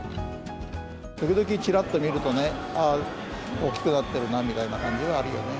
時々ちらっと見るとね、ああ、大きくなってるなみたいな感じはあるよね。